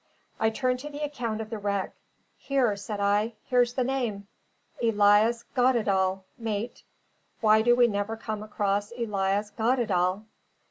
I turned to the account of the wreck. "Here," said I; "here's the name. 'Elias Goddedaal, mate.' Why do we never come across Elias Goddedaal?"